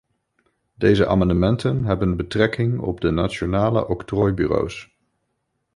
Deze amendementen hebben betrekking op de nationale octrooibureaus.